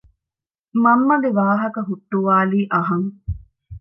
މަންމަގެ ވާހަކަ ހުއްޓުވާލީ އަހަން